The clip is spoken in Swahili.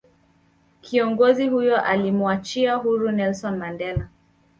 kiongozi huyo alimuachia huru Nelson Mandela